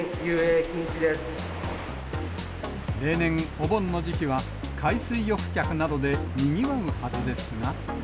例年、お盆の時期は、海水浴客などでにぎわうはずですが。